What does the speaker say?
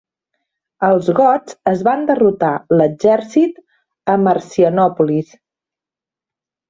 Els gots es van derrotar l'exèrcit a Marcianòpolis.